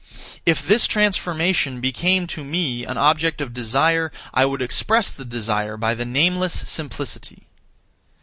If this transformation became to me an object of desire, I would express the desire by the nameless simplicity.